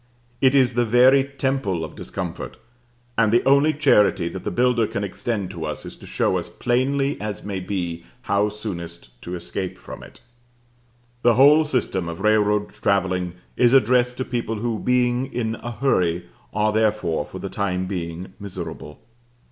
It is the very temple of discomfort, and the only charity that the builder can extend to us is to show us, plainly as may be, how soonest to escape from it. The whole system of railroad travelling is addressed to people who, being in a hurry, are therefore, for the time being, miserable.